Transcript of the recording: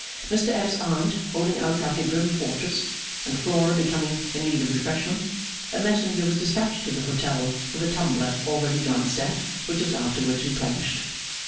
Mr F.'s Aunt holding out like a grim fortress, and Flora becoming in need of refreshment, a messenger was despatched to the hotel for the tumbler already glanced at, which was afterwards replenished.